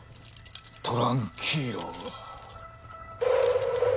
トランキーロ。